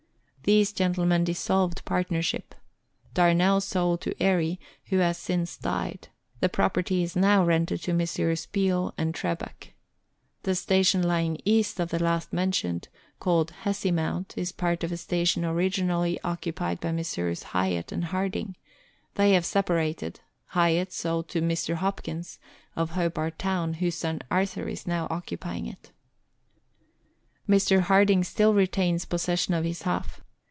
These gentlemen dissolved partnership. Darnell sold to Airey, who has since died ; the property is now rented to Messrs. Beale and Trebeck. The station lying east of the last mentioned, called Hesse Mount, is part of a station originally occupied by Messrs. Highett and Harding ; they having separated, Highett sold to Mr. Hopkins, of Hobart Town, whose son Arthur is now occupying it. Mr. Harding still retains possession of his half.